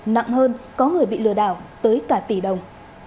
nặng hơn có người bị lừa đảo tới cả tỷ đồng